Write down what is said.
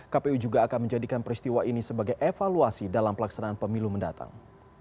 kpu juga akan menjadikan peristiwa ini sebagai evaluasi dalam pelaksanaan pemilu mendatang